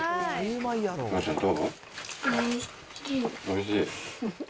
おいしい。